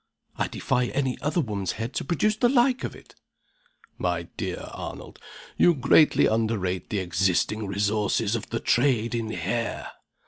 "I defy any other woman's head to produce the like of it!" "My dear Arnold, you greatly underrate the existing resources of the trade in hair!